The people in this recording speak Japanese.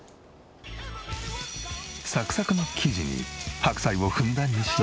サクサクの生地に白菜をふんだんに使用した